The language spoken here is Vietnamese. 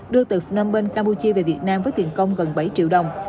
đưa từ phần năm bên campuchia về việt nam với tiền công gần bảy triệu đồng